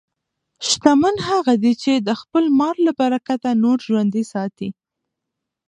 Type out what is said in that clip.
شتمن هغه دی چې د خپل مال له برکته نور ژوندي ساتي.